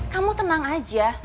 kamu tenang aja